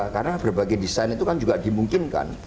karena berbagai desain itu kan juga dimungkinkan